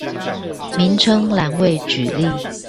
名稱欄位舉例